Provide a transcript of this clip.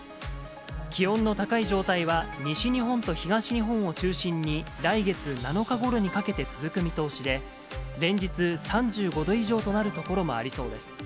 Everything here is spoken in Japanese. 気温の高い状態は、西日本と東日本を中心に、来月７日ごろにかけて続く見通しで、連日、３５度以上となる所もありそうです。